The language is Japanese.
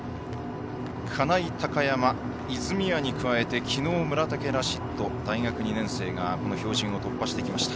金井、高山、泉谷に比べてきのう村竹ラシッド大学２年生がこの標準を突破しました。